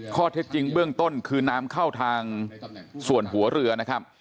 ข้อเท็จจริงเบื้องต้นคือน้ำเข้าทางส่วนหัวเรือนะครับ